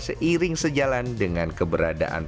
seiring sejalan dengan keberadaan